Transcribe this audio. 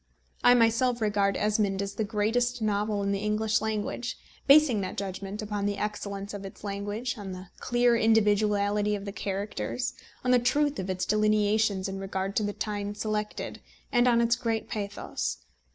I myself regard Esmond as the greatest novel in the English language, basing that judgment upon the excellence of its language, on the clear individuality of the characters, on the truth of its delineations in regard to the time selected, and on its great pathos.